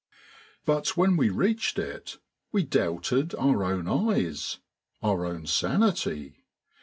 But when we reached it we doubted our own eyes, our own sanity.